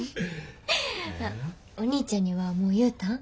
お兄ちゃんにはもう言うたん？